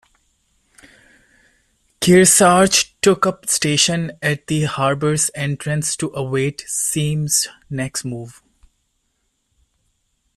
"Kearsarge" took up station at the harbor's entrance to await Semmes' next move.